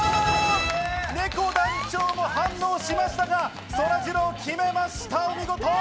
ねこ団長も反応しましたが、そらジロー決めました、お見事！